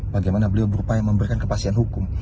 bagaimana beliau berupaya memberikan kepastian hukum